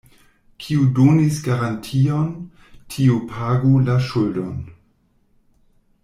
Kiu donis garantion, tiu pagu la ŝuldon.